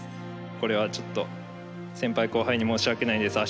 これはちょっと先輩後輩に申し訳ないです。